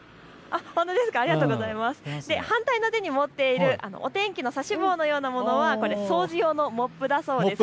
反対の手に持っているお天気の指し棒のようなものは掃除用のモップだそうです。